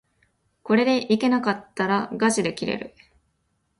これでいけなかったらがちで切れる